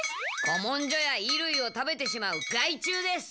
古文書や衣類を食べてしまう害虫です。